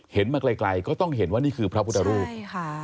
มาไกลก็ต้องเห็นว่านี่คือพระพุทธรูปใช่ค่ะ